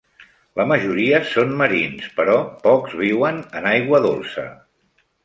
La majoria són marins, però pocs viuen en aigua dolça.